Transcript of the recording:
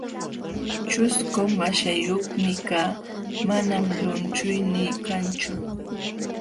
ćhusku maśhayuqmi kaa, manam llunchuynii kanchu.